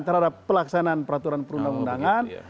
terhadap pelaksanaan peraturan perundang undangan